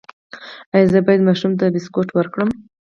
ایا زه باید ماشوم ته بسکټ ورکړم؟